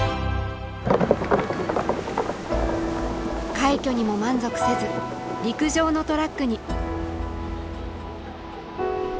快挙にも満足せず陸上のトラックに。